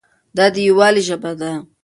دا د یووالي ژبه ده.